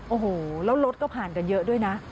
โอ้โหแล้วรถก็ผ่านกันเยอะด้วยนะ